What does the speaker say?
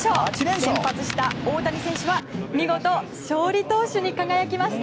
先発した大谷選手は見事、勝利投手に輝きました。